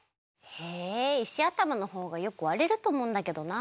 え石あたまのほうがよくわれるとおもうんだけどな。